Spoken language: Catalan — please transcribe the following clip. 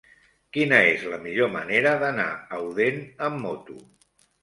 Quina és la millor manera d'anar a Odèn amb moto?